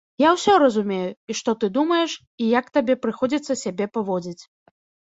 Я усе разумею, і што ты думаеш, і як табе прыходзіцца сябе паводзіць.